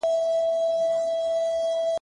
ګني د هجر شپه تر نورو شپو تاريکه نه وه